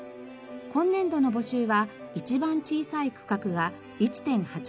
今年度の募集は一番小さい区画が１．８平方メートル。